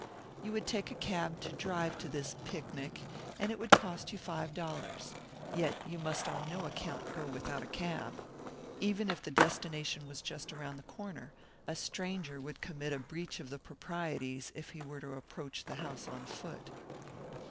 You would take a cab to drive to this "picnic," and it would cost you five dollars; yet you must on no account go without a cab. Even if the destination was just around the corner, a stranger would commit a breach of the proprieties if he were to approach the house on foot.